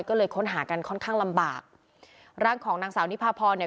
ก็เลยค้นหากันค่อนข้างลำบากร่างของนางสาวนิพาพรเนี่ย